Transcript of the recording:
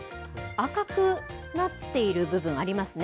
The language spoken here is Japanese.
赤くなっている部分ありますね。